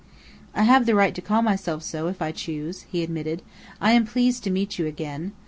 "I have the right to call myself so, if I choose," he admitted. "I am pleased to meet you again.